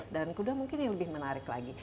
dan kedua mungkin yang lebih menarik lagi